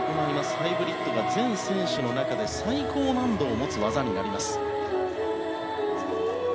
ハイブリッドが全選手の中で最高難度を持つ技になります。